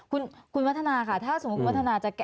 คุณวัฒนาค่ะถ้าสมมุติคุณวัฒนาจะแก้